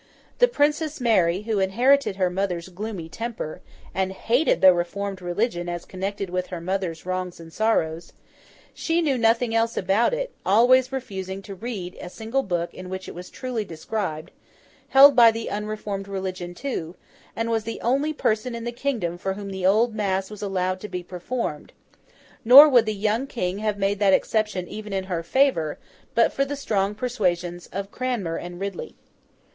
The Princess Mary, who inherited her mother's gloomy temper, and hated the reformed religion as connected with her mother's wrongs and sorrows—she knew nothing else about it, always refusing to read a single book in which it was truly described—held by the unreformed religion too, and was the only person in the kingdom for whom the old Mass was allowed to be performed; nor would the young King have made that exception even in her favour, but for the strong persuasions of Cranmer and Ridley.